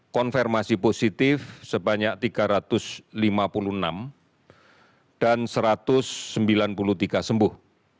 konfirmasi positif sebanyak tiga ratus lima puluh enam dan satu ratus sembilan puluh tiga sembuh